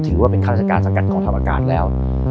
ถือว่าเป็นคาดราชการสังกัดของท่าวอากาศแล้ว